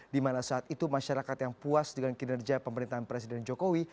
di mana saat itu masyarakat yang puas dengan kinerja pemerintahan presiden jokowi